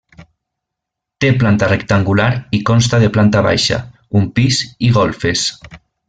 Té planta rectangular i consta de planta baixa, un pis i golfes.